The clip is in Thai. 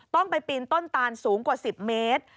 ต้องไปปีนต้นตานสูงกว่า๑๐เมตร